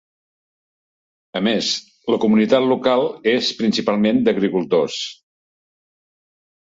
A més, la comunitat local és principalment d'agricultors.